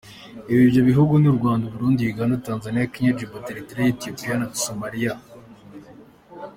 Ibyo bihugu ni : Rwanda, Burundi, Uganda, Tanzania, Kenya, Djibouti, Eritereya, Ethiopiya na Somalia.